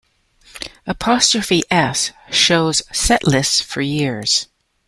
's show setlists for years.